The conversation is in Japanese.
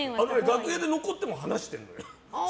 楽屋に残っても話してるのよ。